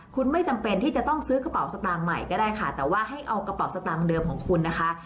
คุณไม่จำเป็นที่จะต้องซื้อกระเป๋าสตางค์ใหม่ก็ได้ค่ะแต่ว่าให้เอากระเป๋าสตางค์เดิมของคุณนะคะ